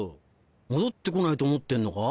戻って来ないと思ってんのか？